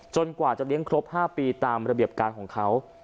กว่าจะเลี้ยงครบ๕ปีตามระเบียบการของเขา